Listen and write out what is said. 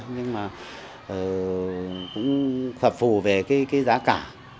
nhưng mà cũng phạm phù về giá cả